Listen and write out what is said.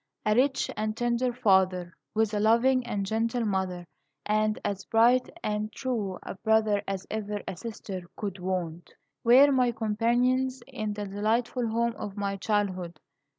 A rich and tender father, with a loving and gentle mother, and as bright and true a brother as ever a sister could want, were my companions in the delightful home of my childhood.